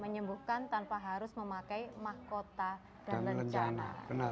menyembuhkan tanpa harus memakai mahkota dan lencana